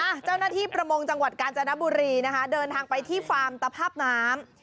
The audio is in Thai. เจ้าหน้าที่ประมงจังหวัดกาญจนบุรีนะคะเดินทางไปที่ฟาร์มตภาพน้ำ